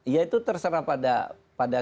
ya itu terserah pada